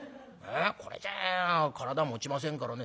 これじゃ体もちませんからね